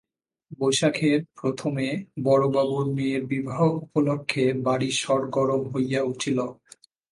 বৈশাখেব প্রথমে বড়বাবুর মেয়ের বিবাহ উপলক্ষে বাড়ি সরগরম হইয়া উঠিল।